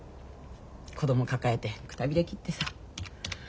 子供抱えてくたびれ切ってさ。